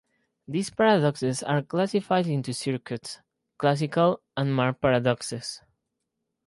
These paradoxes are classified into circuit, classical and Marx paradoxes.